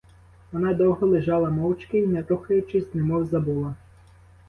Вона довго лежала мовчки й не рухаючись, немов забула.